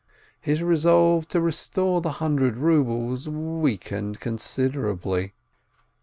His resolve to restore the hundred rubles weakened con siderably.